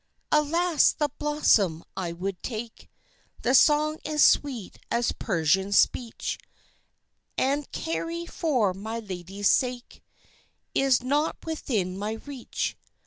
Alas! the blossom I would take, The song as sweet as Persian speech, And carry for my lady's sake, Is not within my reach.